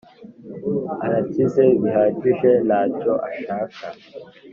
arakize bihagije ntacyo ashaka